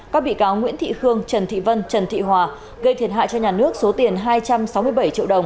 các bị cáo nguyễn thị khương trần thị vân trần thị hòa gây thiệt hại cho nhà nước số tiền hai trăm sáu mươi bảy triệu đồng